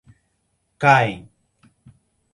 Caém